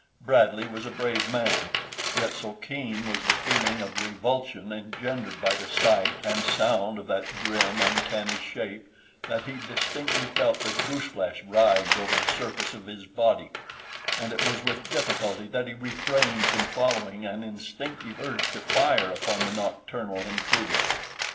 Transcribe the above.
Bradley was a brave man, yet so keen was the feeling of revulsion engendered by the sight and sound of that grim, uncanny shape that he distinctly felt the gooseflesh rise over the surface of his body, and it was with difficulty that he refrained from following an instinctive urge to fire upon the nocturnal intruder.